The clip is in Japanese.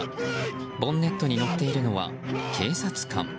ボンネットに乗っているのは警察官。